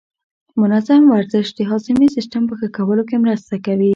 منظم ورزش د هاضمې سیستم په ښه کولو کې مرسته کوي.